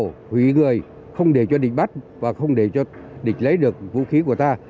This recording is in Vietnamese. chúng tôi sẽ hủy tàu hủy người không để cho địch bắt và không để cho địch lấy được vũ khí của ta